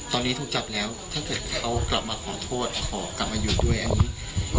ตอนนี้ถูกจับแล้วถ้าเกิดเขากลับมาขอโทษขอกลับมาอยู่ด้วยอันนี้